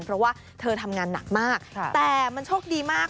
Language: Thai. เพราะว่าเธอทำงานหนักมากแต่มันโชคดีมาก